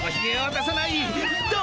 どう？